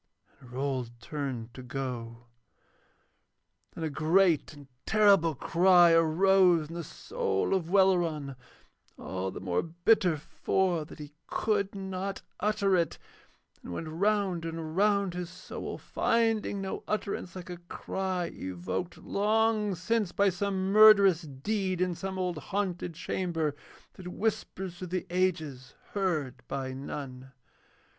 And Rold turned to go. Then a great and terrible cry arose in the soul of Welleran, all the more bitter for that he could not utter it, and it went round and round his soul finding no utterance, like a cry evoked long since by some murderous deed in some old haunted chamber that whispers through the ages heard by none.